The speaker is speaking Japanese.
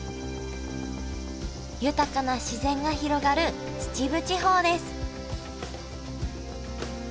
豊かな自然が広がる秩父地方です